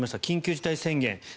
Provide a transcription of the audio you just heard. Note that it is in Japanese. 緊急事態宣言